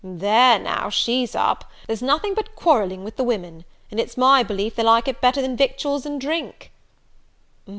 "There, now, she's up! There's nothing but quarrelling with the women; it's my belief they like it better than victuals and drink."